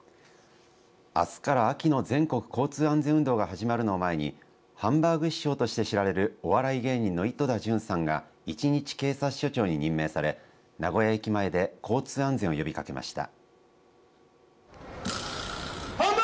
あすから秋の全国交通安全運動が始まるのを前にハンバーグ師匠として知られるお笑い芸人の井戸田潤さんが一日警察署長に任命され名古屋駅前で交通安全を呼びかけました。